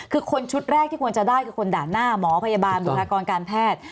คือคนชุดแรกที่ควรจะได้คือคนด่านหน้าหมอพยาบาลบุคลากรการแพทย์